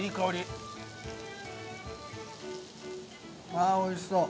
ああーおいしそう。